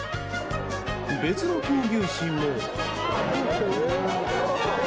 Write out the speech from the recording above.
別の闘牛士も。